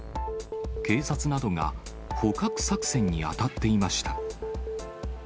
警察などが捕獲作戦に当たっていました。